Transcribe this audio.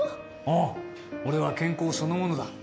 ああ俺は健康そのものだ。